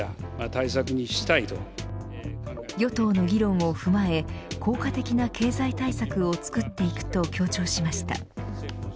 与党の議論を踏まえ効果的な経済対策をつくっていくと強調しました。